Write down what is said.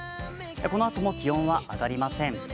このあとも気温は挙がりません。